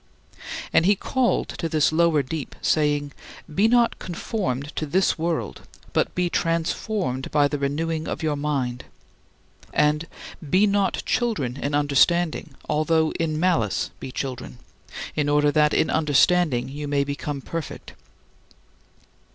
" And he called to this lower deep, saying, "Be not conformed to this world, but be transformed by the renewing of your mind." And "be not children in understanding, although in malice be children," in order that "in understanding you may become perfect."